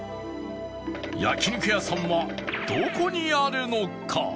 焼肉屋さんはどこにあるのか？